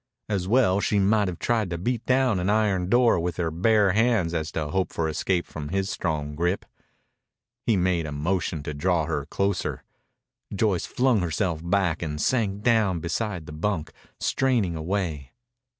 As well she might have tried to beat down an iron door with her bare hands as to hope for escape from his strong grip. He made a motion to draw her closer. Joyce flung herself back and sank down beside the bunk, straining away.